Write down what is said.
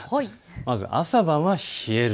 まず朝晩は冷える。